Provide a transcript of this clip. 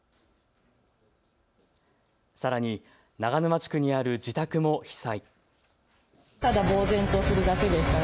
さらに長沼地区にある自宅も被災。